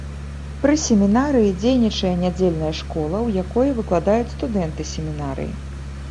Пры семінарыі дзейнічае нядзельная школа, у якой выкладаюць студэнты семінарыі.